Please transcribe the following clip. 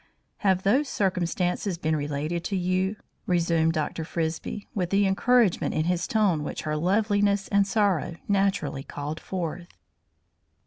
"Have those circumstances been related to you?" resumed Dr. Frisbie with the encouragement in his tone which her loveliness and sorrow naturally called forth.